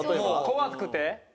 怖くて。